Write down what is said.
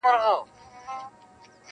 لا هم له پاڼو زرغونه پاته ده-